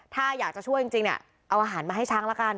ถ้าอยากจะช่วยจริงเนี่ยเอาอาหารมาให้ช้างละกัน